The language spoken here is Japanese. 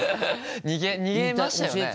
逃げましたよね？